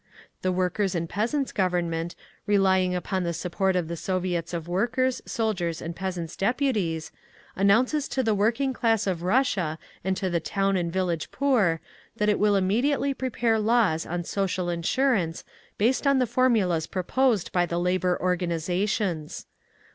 The Workers' and Peasants' Government, relying upon the support of the Soviets of Workers', Soldiers' and Peasants' Deputies, announces to the working class of Russia and to the town and village poor, that it will immediately prepare laws on Social Insurance based on the formulas proposed by the Labour organisations: 1.